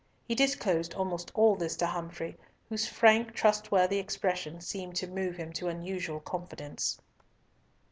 He disclosed almost all this to Humfrey, whose frank, trustworthy expression seemed to move him to unusual confidence.